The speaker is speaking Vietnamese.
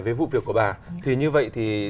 với vụ việc của bà thì như vậy thì